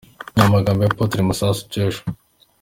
Ni amagambo ya Apotre Masasu Joshua.